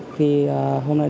khi hôm nay